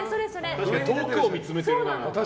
確かに遠くを見つめてるな。